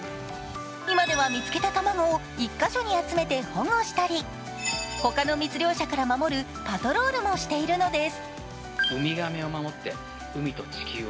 今では見つけた卵を１か所に集めて保護したりほかの密漁者から守るパトロールもしているのです。